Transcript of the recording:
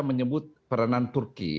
menyebut peranan turki